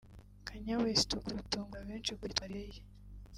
Kanye West ukunze gutungura benshi kubera imyitwarire ye